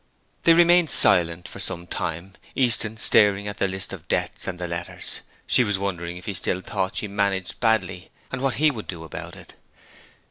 They remained silent for some time, Easton staring at the list of debts and the letters. She was wondering if he still thought she managed badly, and what he would do about it.